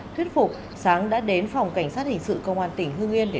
thuyết phục sáng đã đến phòng cảnh sát hình sự công an tỉnh hưng yên để đầu thú